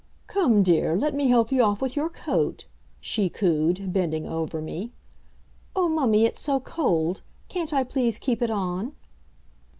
"Come, dear, let me help you off with your coat," she cooed, bending over me. "Oh, mummy, it's so cold! Can't I please keep it on?"